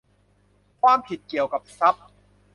ความผิดเกี่ยวกับทรัพย์